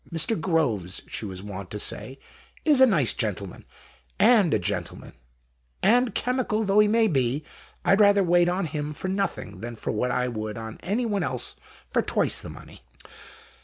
" Mr. Groves," she was wont to say, " is a nice gentleman, AND a gentleman; and chemical though he may be, I'd rather wait on him for nothing than what I would on anyone else for twice the money."